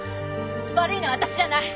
悪いのは私じゃない。